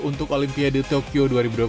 untuk olimpiade tokyo dua ribu dua puluh